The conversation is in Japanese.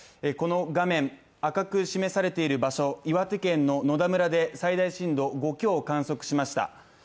この画面、赤く示されている場所岩手県野田村で最大震度５強を観測しました。